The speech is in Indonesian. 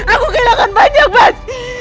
aku kehilangan banyak mas